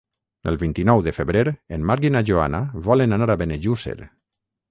El vint-i-nou de febrer en Marc i na Joana volen anar a Benejússer.